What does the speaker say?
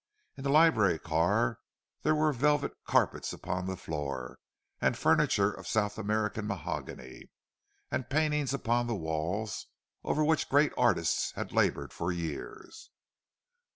In the library car there were velvet carpets upon the floor, and furniture of South American mahogany, and paintings upon the walls over which great artists had laboured for years.